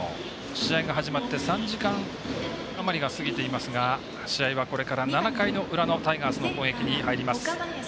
試合が始まって３時間余りが過ぎていますが試合はこれから７回の裏のタイガースの攻撃に入ります。